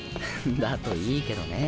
だといいけどね。